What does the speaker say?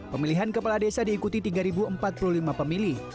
pemilihan kepala desa diikuti tiga empat puluh lima pemilih